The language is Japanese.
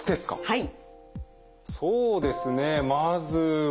はい。